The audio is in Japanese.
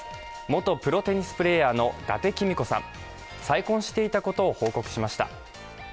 元プロテニスプレーヤーの伊達公子さん、再婚していたことを報告しました。